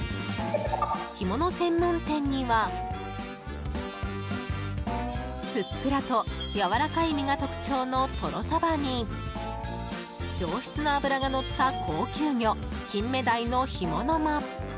ひもの専門店には、ふっくらとやわらかい身が特徴のトロサバに上質な脂が乗った高級魚キンメダイの干物も！